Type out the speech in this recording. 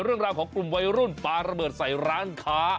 เรื่องราวของกลุ่มวัยรุ่นปลาระเบิดใส่ร้านค้า